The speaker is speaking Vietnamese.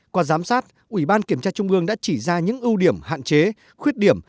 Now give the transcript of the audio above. ba qua giám sát ubkt đã chỉ ra những ưu điểm hạn chế khuyết điểm